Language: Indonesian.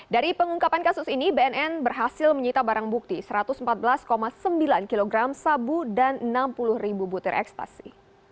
dari pengungkapan kasus ini bnn berhasil menyita barang bukti satu ratus empat belas sembilan kg sabu dan enam puluh ribu butir ekstasi